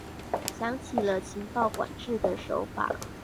想起了情報管制的手法